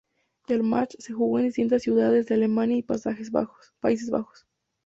El match se jugó en distintas ciudades de Alemania y Países Bajos.